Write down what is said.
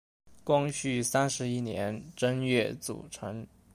光绪三十一年正月组成。